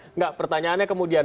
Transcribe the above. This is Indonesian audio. enggak pertanyaannya kemudian